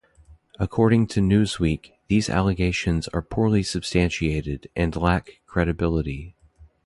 According to "Newsweek", these allegations are poorly substantiated and lack credibility.